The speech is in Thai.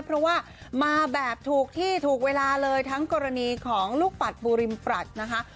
เพราะว่ามาแบบถูกที่ถูกเวลาเลยทั้งกรณีของลูกปัดปูริมปรัสนะคะ